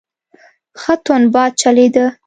ښه تند باد چلیده.